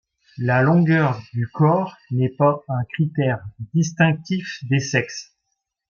La longueur du corps n'est pas un critère distinctif des sexes.